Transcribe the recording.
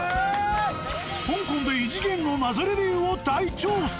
香港で異次元の謎レビューを大調査！